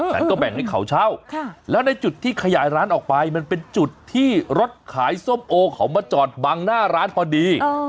แต่ก็แบ่งให้เขาเช่าแล้วในจุดที่ขยายร้านออกไปมันเป็นจุดที่รถขายส้มโอเขามาจอดบังหน้าร้านพอดี